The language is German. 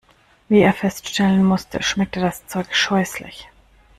Wie er feststellen musste, schmeckte das Zeug scheußlich.